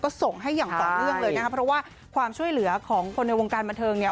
ก็ส่งให้อย่างต่อเนื่องเลยนะครับเพราะว่าความช่วยเหลือของคนในวงการบันเทิงเนี่ย